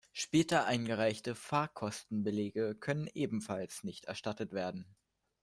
Später eingereichte Fahrkostenbelege können ebenfalls nicht erstattet werden.